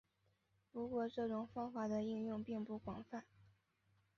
不过这种方法的应用并不广泛。